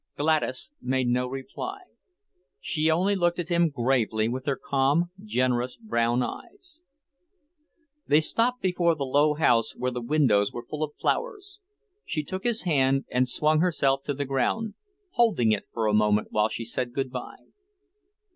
Gladys made no reply. She only looked at him gravely with her calm, generous brown eyes. They stopped before the low house where the windows were full of flowers. She took his hand and swung herself to the ground, holding it for a moment while she said good bye.